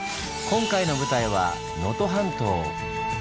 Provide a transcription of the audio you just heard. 今回の舞台は能登半島。